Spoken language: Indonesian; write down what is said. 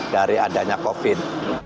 dari adanya covid